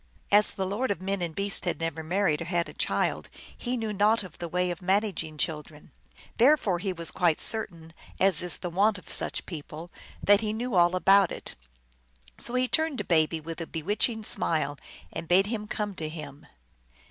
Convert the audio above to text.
As the Lord of Men and Beasts had never married or had a child, he knew naught of the way of manag ing children. Therefore he was quite certain, as is the wont of such people, that he knew all about it. So he turned to Baby with a bewitching smile and bade him come to him.